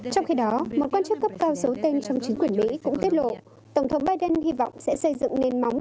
trong khi đó một quan chức cấp cao dấu tên trong chính quyền mỹ cũng tiết lộ tổng thống biden hy vọng sẽ xây dựng nền móng